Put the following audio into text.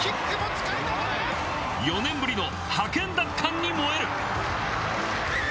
◆４年ぶりの覇権奪還に燃える！